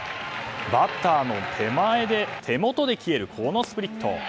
バッターの手元で消えるこのスプリット。